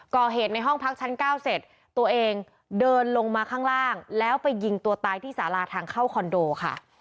ในห้องพักชั้น๙เสร็จตัวเองเดินลงมาข้างล่างแล้วไปยิงตัวตายที่สาราทางเข้าคอนโดค่ะ